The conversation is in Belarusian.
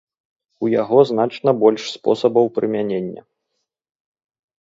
У яго значна больш спосабаў прымянення.